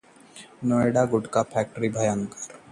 Noida: gutkha factory में लगी भयंकर आग